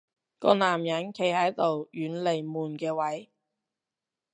個男人企喺遠離門嘅位